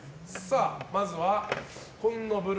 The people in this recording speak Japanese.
まずは紺野ぶる